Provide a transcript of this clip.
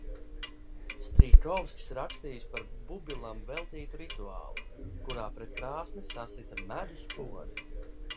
Strijkovskis rakstījis par Bubilam veltītu rituālu, kurā pret krāsni sasita medus podu.